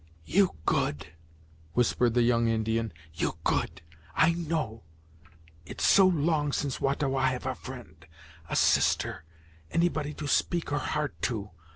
"You good " whispered the young Indian "you good, I know; it so long since Wah ta Wah have a friend a sister any body to speak her heart to!